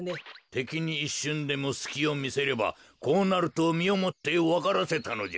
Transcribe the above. てきにいっしゅんでもすきをみせればこうなるとみをもってわからせたのじゃ。